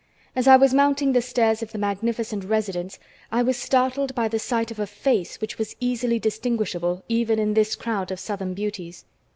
As I was mounting the stairs of the magnificent residence, I was startled by the sight of a face which was easily distinguishable even in this crowd of southern beauties.